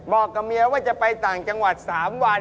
บอกกับเมียว่าจะไปต่างจังหวัด๓วัน